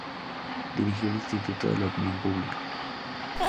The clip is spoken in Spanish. Dirigió el Instituto de la Opinión Pública.